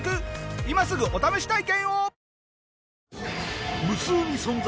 今すぐお試し体験を！